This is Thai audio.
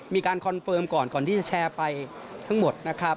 มีการคอนเฟิร์มก่อนก่อนที่จะแชร์ไปทั้งหมด